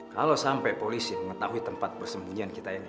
kalau sampai polisi mengetahui tempat persembunyian kita ini